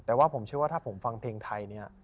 แต่ว่าผมเชื่อว่าถ้าผมฟังเพลงไทยเนี่ย